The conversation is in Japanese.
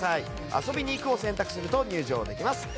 遊びに行くを選択すると入場できます。